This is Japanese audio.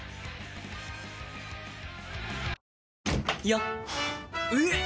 よっ！